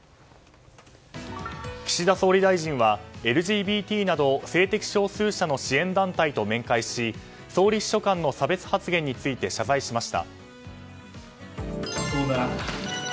岸田総理大臣はＬＧＢＴなど性的少数者の支援団体と面会し総理秘書官の差別発言について謝罪しました。